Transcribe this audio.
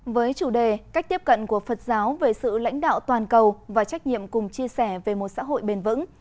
với chủ đề cách tiếp cận của phật giáo về sự lãnh đạo toàn cầu và trách nhiệm cùng chia sẻ về một xã hội bền vững